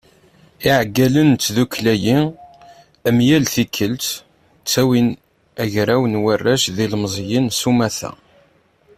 Iεeggalen n tdukkla-a, am yal tikkelt, ttawin agraw n warrac d yilemẓiyen s umata.